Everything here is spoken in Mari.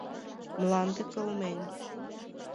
Мланде кылмен.